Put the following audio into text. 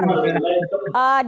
terima kasih banyak